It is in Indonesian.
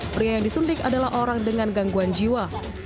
pria yang disuntik adalah orang dengan gangguan jiwa